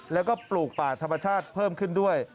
แล้วก็ปลูกป่าธรรมชาติเพิ่มขึ้นด้วย